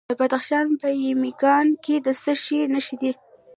د بدخشان په یمګان کې د څه شي نښې دي؟